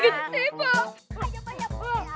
kalo kita di padat